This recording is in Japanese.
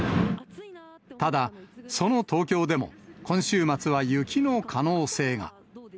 ただ、その東京でも、今週末は雪の可能性が。